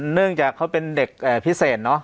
เพราะว่าเขาเป็นเด็กพิเศษ